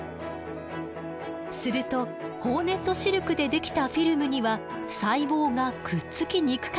するとホーネットシルクでできたフィルムには細胞がくっつきにくかったの。